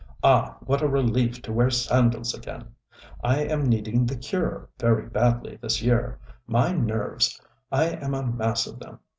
Ah, what a relief to wear sandals again. I am needing the ŌĆścureŌĆÖ very badly this year. My nerves! I am a mass of them.